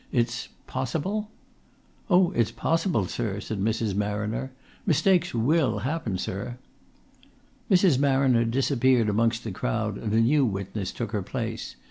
"It's possible?" "Oh, it's possible, sir," said Mrs. Marriner. "Mistakes will happen, sir." Mrs. Marriner disappeared amongst the crowd, and a new witness took her place.